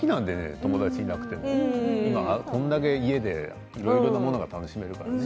友達がいなくても今はこれだけ家でいろいろなものが楽しめるからね。